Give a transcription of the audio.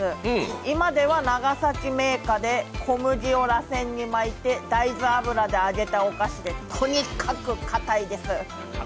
今では長崎銘菓で小麦をらせんに巻いて大豆油で揚げたお菓子で、とにかく堅い。